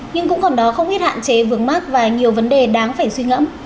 nhưng cũng còn đó không ít hạn chế vướng mắt và nhiều vấn đề đáng phải suy ngẫm